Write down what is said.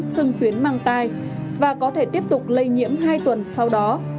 sưng tuyến mang tai và có thể tiếp tục lây nhiễm hai tuần sau đó